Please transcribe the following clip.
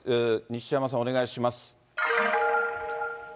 西山さん、お願いします。